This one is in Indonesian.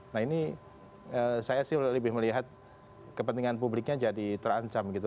nah ini saya sih lebih melihat kepentingan publiknya jadi terancam gitu